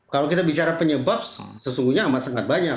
kalau kita bicara penyebab sesungguhnya amat sangat banyak